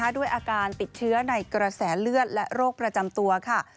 ด้วยอาการติดเชื้อในกระแสเลือดและโรคประจำตัวค่ะ